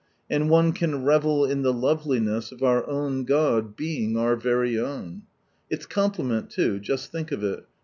and one can revel in the loveliness of " our own God," being our very own I Its complement, too — just think of it.